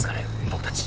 僕たち。